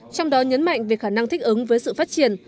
trong đó nhấn mạnh về khả năng thích ứng với sự phát triển